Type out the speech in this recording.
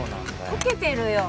溶けてるよ